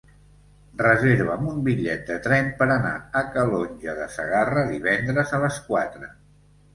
Reserva'm un bitllet de tren per anar a Calonge de Segarra divendres a les quatre.